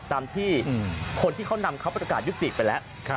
ตามที่คนที่เขานำเขาประกาศยุติไปแล้ว